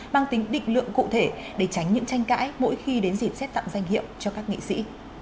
mang tính định lượng cụ thể để tránh những tranh cãi mỗi khi đến dịp xét tặng danh hiệu cho các nghệ sĩ